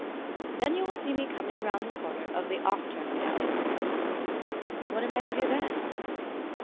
"Then you will see me coming round the corner of the 'off turning' gallery." "What am I to do then?"